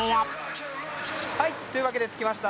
というわけで着きました。